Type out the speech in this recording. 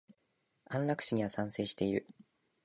安楽死には賛成している。